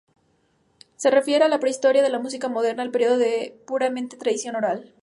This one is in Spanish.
Se refiere a la pre-historia de la música moderna—el periodo de puramente tradición oral.